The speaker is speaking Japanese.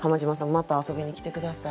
また遊びに来て下さい。